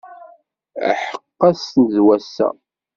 Aḥeqq ass-n d wass-a!